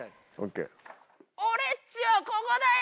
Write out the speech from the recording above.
俺っちはココだよ！